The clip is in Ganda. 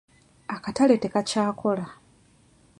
Akatale tekakyakola.